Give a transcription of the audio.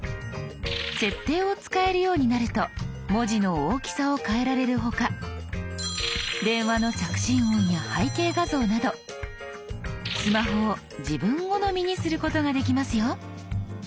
設定を使えるようになると文字の大きさを変えられる他電話の着信音や背景画像などスマホを自分好みにすることができますよ。